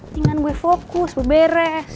dengan gue fokus gue beres